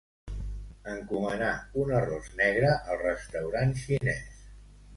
Encomanar un arròs negre al restaurant xinès.